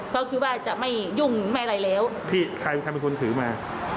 เพราะคิดว่าจะไม่ยุ่งไม่อะไรแล้วพี่ใครใครเป็นคนถือมา